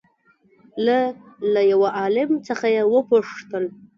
له له يوه عالم څخه يې وپوښتل